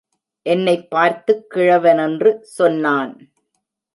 என்னைப் பார்த்துக் கிழவனென்று சொன்னான்.